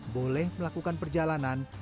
boleh melakukan perjalanan